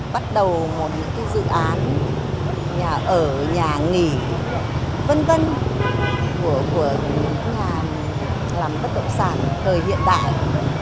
bắt đầu một những dự án nhà ở nhà nghỉ v v của những nhà làm bất động sản thời hiện đại